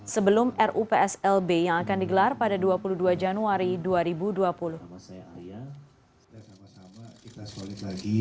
sebelum rupslb yang akan digelar pada dua puluh dua januari dua ribu dua puluh